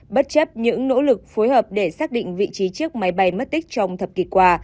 bất chấp những nỗ lực phối hợp để xác định vị trí chiếc máy bay mất tích trong thập kỷ qua